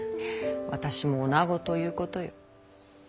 私も女ということよ。